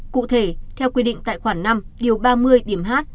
cụ thể theo quy định tại khoảng năm điều ba mươi điểm hát